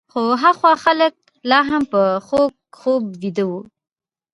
خو هخوا خلک لا هم په خوږ خوب ویده وو.